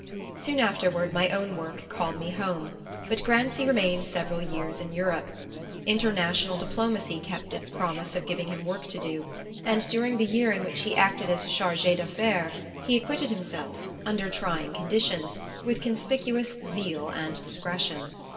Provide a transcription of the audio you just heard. Soon afterward my own work called me home, but Grancy remained several years in Europe. International diplomacy kept its promise of giving him work to do, and during the year in which he acted as chargé d'affaires he acquitted himself, under trying conditions, with conspicuous zeal and discretion.